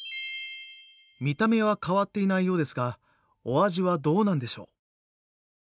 見た目は変わっていないようですがお味はどうなんでしょう？